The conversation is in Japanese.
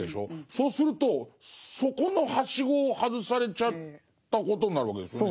そうするとそこのはしごを外されちゃったことになるわけですよね。